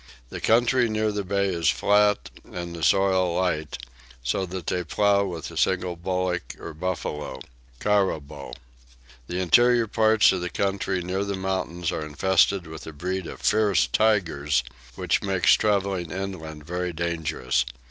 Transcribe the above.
The country near the town is flat and the soil light, so that they plow with a single bullock or buffalo (karrabow). The interior parts of the country near the mountains are infested with a breed of fierce tigers, which makes travelling inland very dangerous.